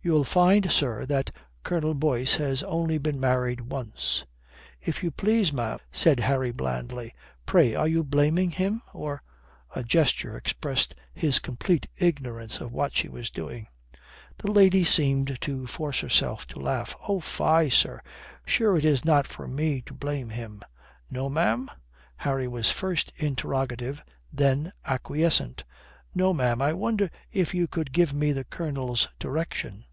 "You'll find, sir, that Colonel Boyce has only been married once." "If you please, ma'am," said Harry blandly. "Pray, are you blaming him? Or " a gesture expressed his complete ignorance of what she was doing. The lady seemed to force herself to laugh. "Oh, fie, sir. Sure it is not for me to blame him." "No, ma'am?" Harry was first interrogative then acquiescent. "No, ma'am. I wonder if you could give me the Colonel's direction."